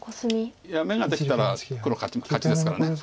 いや眼ができたら黒勝ちですから。